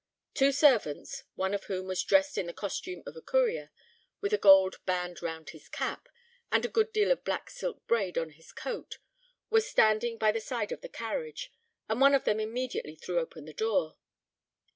Two servants, one of whom was dressed in the costume of a courier, with a gold band round his cap, and a good deal of black silk braid on his coat, were standing by the side of the carriage, and one of them immediately threw open the door.